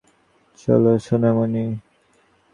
চল, সোনামণি।